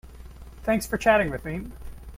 Thanks for chatting with me.